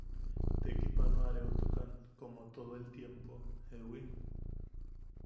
Tekipanoareotukan komo todo el tiempo ¿jewi?